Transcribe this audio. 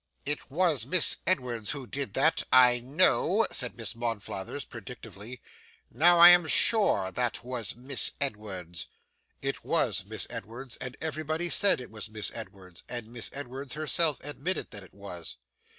'It was Miss Edwards who did that, I KNOW,' said Miss Monflathers predictively. 'Now I am sure that was Miss Edwards.' It was Miss Edwards, and everybody said it was Miss Edwards, and Miss Edwards herself admitted that it was.